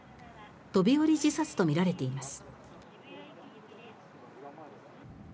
飛び降り自殺とみられています。